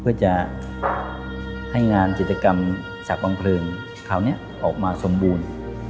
เพื่อจะให้งานจิตรกรรมสากพลังเผลอนี้ออกมาสมบูรณ์